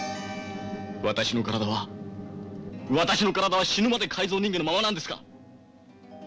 私の体は私の体は死ぬまで改造人間のままなんですか！